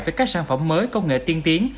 với các sản phẩm mới công nghệ tiên tiến